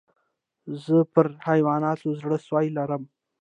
زه پر حیواناتو زړه سوى لرم.